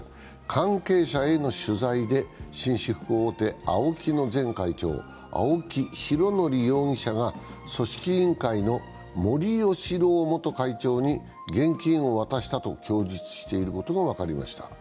関係者への取材で紳士服大手・ＡＯＫＩの前会長、青木拡憲容疑者が組織委員会の森喜朗元会長に現金を渡したと供述していることが分かりました。